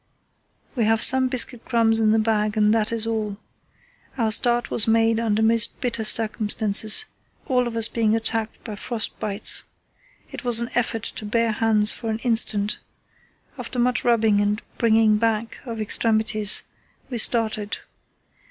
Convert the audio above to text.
"We have some biscuit crumbs in the bag and that is all. Our start was made under most bitter circumstances, all of us being attacked by frost bites. It was an effort to bare hands for an instant. After much rubbing and 'bringing back' of extremities we started.